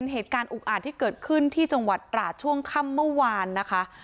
เหตุการณ์อุกอาจที่เกิดขึ้นที่จังหวัดราชช่วงค่ำเมื่อวานนะคะ